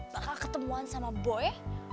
bakal ketemuan sama boy